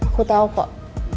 aku tau kok